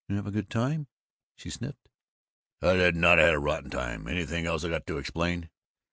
"Did you have a good time?" she sniffed. "I did not. I had a rotten time! Anything else I got to explain?"